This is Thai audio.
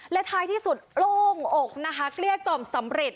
และท้ายที่สุดโล่งอกนะคะเกลี้ยกล่อมสำเร็จ